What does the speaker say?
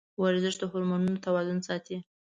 ورزش د هورمونونو توازن ساتي.